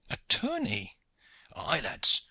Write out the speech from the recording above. "A tourney?" "Aye, lads.